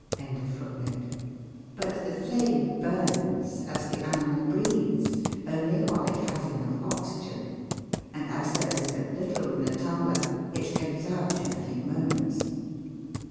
f But the flame burns, as the animal breathes, only while it has enough oxygen, and as there is but little in a tumbler, it goes out in a few moments.